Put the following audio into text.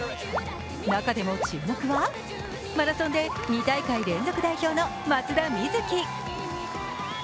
中でも注目はマラソンで２大会連続代表の松田瑞生。